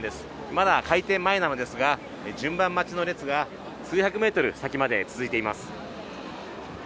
まだ開店前なのですが、順番待ちの列が数百メートル先まで続いています。